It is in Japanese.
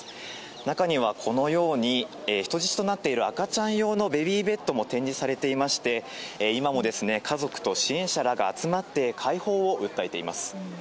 中にはこのように人質となっている赤ちゃん用のベビーベッドも展示されていまして今も家族と支援者らが集まって解放を訴えています。